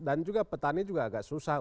dan juga petani agak susah